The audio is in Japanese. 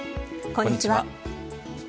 こんにちは。